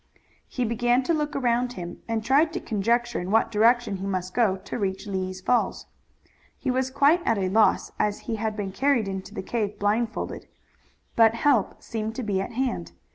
He began to look around him and tried to conjecture in what direction he must go to reach Lee's Falls. He was quite at a loss, as he had been carried into the cave blindfolded. But help seemed to be at hand.